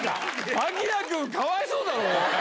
章良君かわいそうだろ。